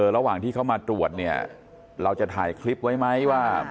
ระหว่างที่เขามาตรวจเนี่ยเราจะถ่ายคลิปไว้ไหมว่า